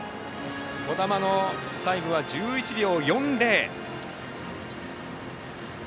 兒玉のタイムは１１秒４０。